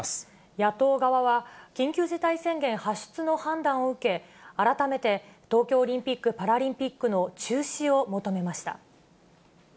野党側は、緊急事態宣言発出の判断を受け、改めて、東京オリンピック・パラリンピックの中止を求めました。